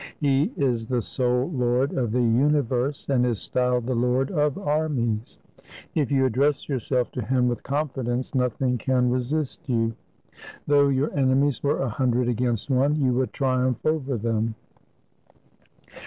He is the sole Lord of the universe, and is styled the Lord of armies. If you address yourself to Him with confidence, nothing 143 FRANCE can resist you. Though your enemies were a hundred against one, you would triumph over them."